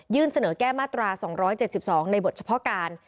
เสนอแก้มาตรา๒๗๒ในบทเฉพาะการ